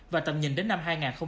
và tầm nhìn đến năm hai nghìn sáu mươi